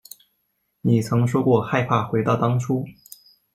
你曾说过害怕回到当初